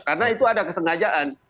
karena itu ada kesengajaan